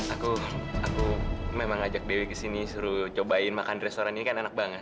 aku aku memang ajak dewi ke sini suruh cobain makan di restoran ini kan enak banget